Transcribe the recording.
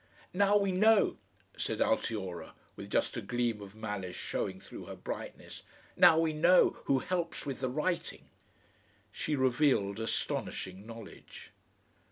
"Now we know," said Altiora, with just a gleam of malice showing through her brightness, "now we know who helps with the writing!" She revealed astonishing knowledge.